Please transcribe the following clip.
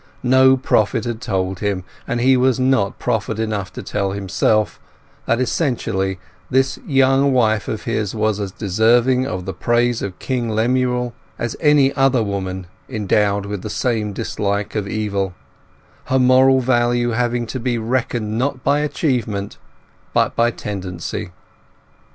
No prophet had told him, and he was not prophet enough to tell himself, that essentially this young wife of his was as deserving of the praise of King Lemuel as any other woman endowed with the same dislike of evil, her moral value having to be reckoned not by achievement but by tendency.